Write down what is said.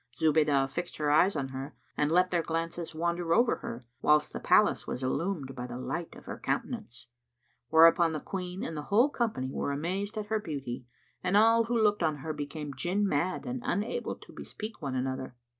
Zubaydah fixed her eyes on her and let their glances wander over her, whilst the palace was illumined by the light of her countenance; whereupon the Queen and the whole company were amazed at her beauty and all who looked on her became Jinn mad and unable to bespeak one another.